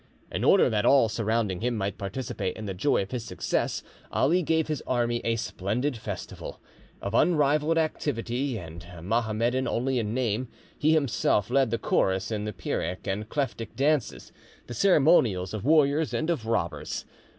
In order that all surrounding him might participate in the joy of his success Ali gave his army a splendid festival. Of unrivalled activity, and, Mohammedan only in name, he himself led the chorus in the Pyrrhic and Klephtic dances, the ceremonials of warriors and of robbers.